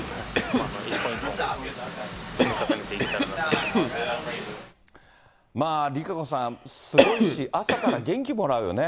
一本一本、まあ、ＲＩＫＡＣＯさん、すごいし、朝から元気もらうよね。